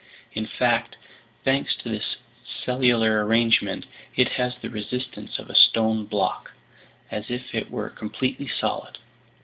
In fact, thanks to this cellular arrangement, it has the resistance of a stone block, as if it were completely solid.